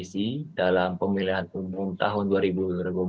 saat ini bapak prabowo dan jokowi